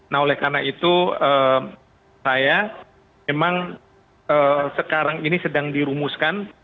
nah oleh karena itu saya memang sekarang ini sedang dirumuskan